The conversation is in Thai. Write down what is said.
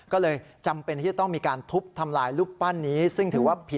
ก็เลยจำเป็นที่จะต้องมีการทุบทำลายรูปปั้นนี้